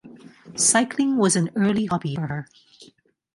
Cycling was an early hobby for her.